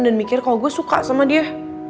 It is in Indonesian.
dan mikir kalo gue suka sama dia